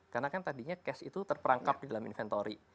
karena kan tadinya cash itu terperangkap di dalam inventory